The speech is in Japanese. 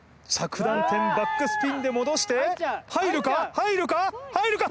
着弾点バックスピンで戻して入るか入るか入るか！？